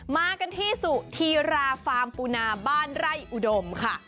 มากันที่สุธีราฟาร์มปูนาบ้านไร่อุดมค่ะ